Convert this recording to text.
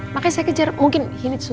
makanya saya kejar mungkin ini cocok